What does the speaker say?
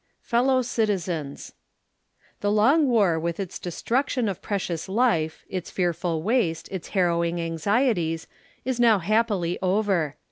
Fellow Citizens : ŌĆö The long war witli its destruction of precious life, its fearful waste, its harrowing anxieties, is now happily over.